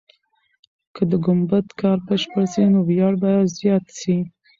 که د ګمبد کار بشپړ سي، نو ویاړ به زیات سي.